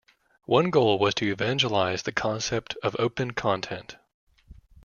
One goal was to evangelize the concept of open content.